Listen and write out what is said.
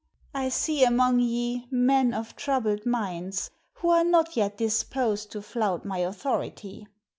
I see among ye men of troubled minds, who are not yet disposed to flout my authority.